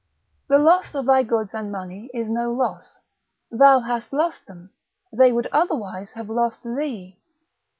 The loss of thy goods and money is no loss; thou hast lost them, they would otherwise have lost thee.